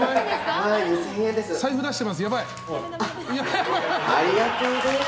財布出してます、やばい！